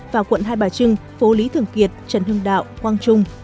và quận hai bà trưng phố lý thường kiệt trần hưng đạo quang trung